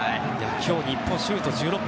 今日、日本はシュート１６本。